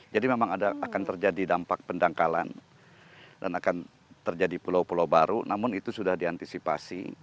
jadi memang akan terjadi dampak pendangkalan dan akan terjadi pulau pulau baru namun itu sudah diantisipasi